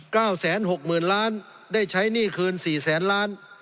แสนหกหมื่นล้านได้ใช้หนี้คืนสี่แสนล้าน